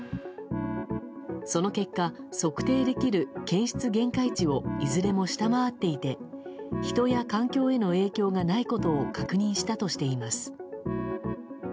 その結果測定できる検出限界値をいずれも下回っていて人や環境への影響がないことを確認したとしています。